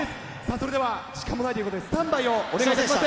それでは、時間もないということで、スタンバイをお願いします。